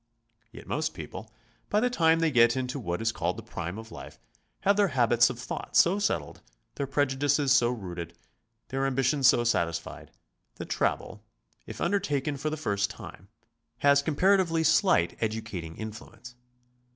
Yet most people, by the time they get into what is called the prime of life, have their habits of thought so settled, their prejudices so rooted, their ambitions so satisfied, that travel, if undertaken for the first time, has comparatively slight educating influence.